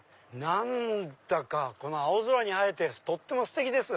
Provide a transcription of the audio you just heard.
何だかこの青空に映えてとってもステキです。